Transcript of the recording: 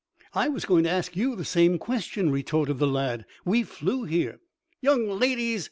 "I was going to ask you the same question," retorted the lad. "We flew here." "Young ladies!